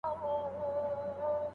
دا نو بيا زما بخت دی، غټې شي وړې سترگې